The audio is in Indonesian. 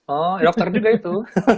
oh dokter juga itu